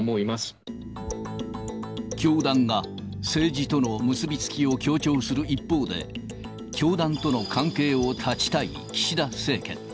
教団が、政治との結び付きを強調する一方で、教団との関係を断ちたい岸田政権。